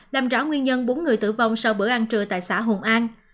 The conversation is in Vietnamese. làm rõ nguyên nhân bốn người tử vong sau bữa ăn trưa tại xã hùng an